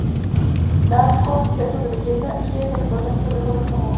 Da consejos de belleza y hace reportajes sobre jóvenes famosos.